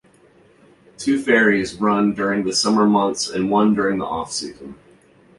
Two ferries run during the summer months and one during the off-season.